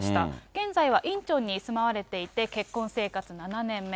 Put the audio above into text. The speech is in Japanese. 現在はインチョンに住まわれていて、結婚生活７年目。